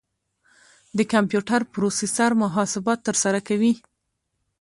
د کمپیوټر پروسیسر محاسبات ترسره کوي.